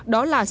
đó là sưng mạnh